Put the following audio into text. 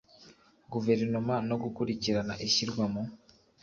Guverinoma no gukurikirana ishyirwa mu